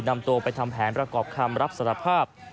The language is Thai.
นำตัวไปทำแผนประกอบคำรับสารภาพ